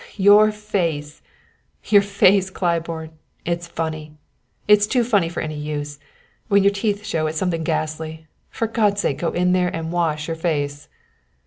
"Your face your face, Claiborne; it's funny. It's too funny for any use. When your teeth show it's something ghastly. For God's sake go in there and wash your face!"